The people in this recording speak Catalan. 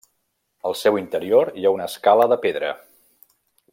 Al seu interior hi ha una escala de pedra.